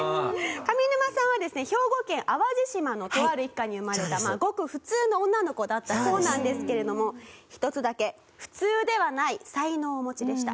上沼さんは兵庫県淡路島のとある一家に生まれたまあごく普通の女の子だったそうなんですけれども一つだけ普通ではない才能をお持ちでした。